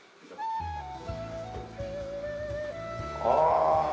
ああ。